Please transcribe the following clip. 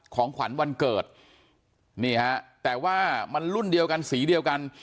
ของขวัญวันเกิดนี่ฮะแต่ว่ามันรุ่นเดียวกันสีเดียวกัน